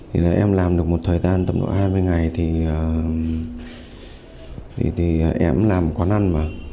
thì là em làm được một thời gian tầm độ hai mươi ngày thì em làm một quán ăn mà